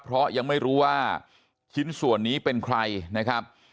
เพราะยังไม่รู้ว่าชิ้นส่วนนี้เป็นใครนะครับ